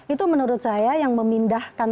itu menurut saya yang memindahkan